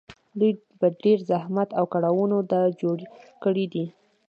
دوی په ډېر زحمت او کړاوونو دا جوړ کړي دي